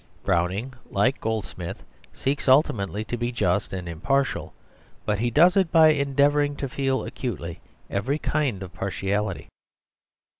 Browning, like Goldsmith, seeks ultimately to be just and impartial, but he does it by endeavouring to feel acutely every kind of partiality.